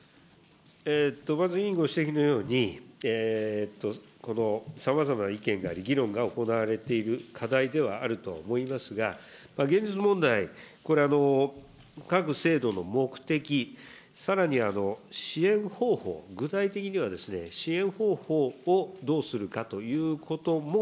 まず委員ご指摘のように、このさまざまな意見なり議論が行われている課題ではあるとは思いますが、現実問題、これは各制度の目的、さらに、支援方法、具体的には、支援方法をどうするかということも、